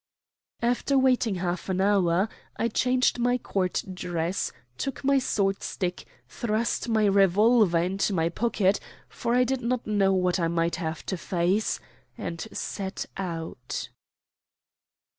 After waiting half an hour I changed my Court dress, took my sword stick, thrust my revolver into my pocket, for I did not know what I might have to face, and set out.